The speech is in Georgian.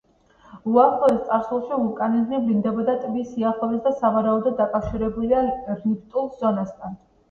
უახლოეს წარსულში ვულკანიზმი ვლინდებოდა ტბის სიახლოვეს და სავარაუდოდ დაკავშირებულია რიფტულ ზონასთან.